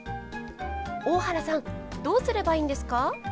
大原さんどうすればいいんですか？